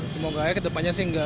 semoga ya ke depannya sih enggak